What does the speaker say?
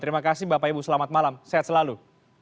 terima kasih bapak ibu selamat malam sehat selalu